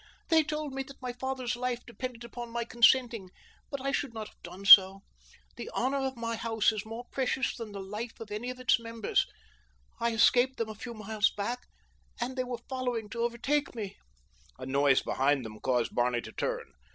"They told me that my father's life depended upon my consenting; but I should not have done so. The honor of my house is more precious than the life of any of its members. I escaped them a few miles back, and they were following to overtake me." A noise behind them caused Barney to turn.